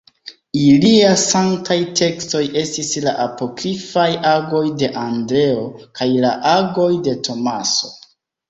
Ilia sanktaj tekstoj estis la apokrifaj Agoj de Andreo kaj la Agoj de Tomaso.